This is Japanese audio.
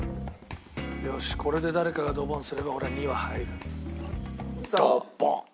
よしこれで誰かがドボンすれば俺は２は入る。